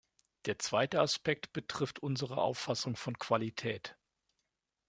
Der zweite Aspekt betrifft unsere Auffassung von Qualität.